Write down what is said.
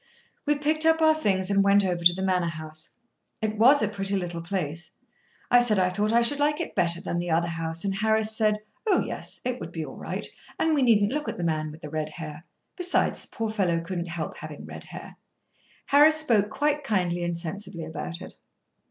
We picked up our things, and went over to the Manor House. It was a pretty little place. I said I thought I should like it better than the other house; and Harris said, "Oh, yes," it would be all right, and we needn't look at the man with the red hair; besides, the poor fellow couldn't help having red hair. Harris spoke quite kindly and sensibly about it.